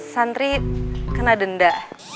santri kena denda